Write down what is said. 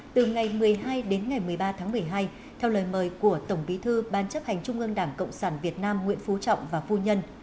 từ ngày một mươi hai đến ngày một mươi ba tháng một mươi hai theo lời mời của tổng bí thư ban chấp hành trung ương đảng cộng sản việt nam nguyễn phú trọng và phu nhân